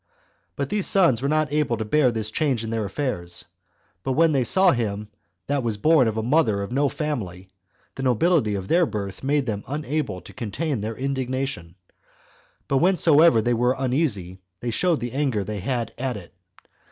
2. But these sons were not able to bear this change in their affairs; but when they saw him that was born of a mother of no family, the nobility of their birth made them unable to contain their indignation; but whensoever they were uneasy, they showed the anger they had at it.